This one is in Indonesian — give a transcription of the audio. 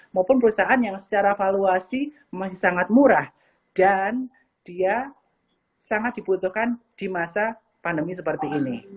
maupun perusahaan yang secara valuasi masih sangat murah dan dia sangat dibutuhkan di masa pandemi seperti ini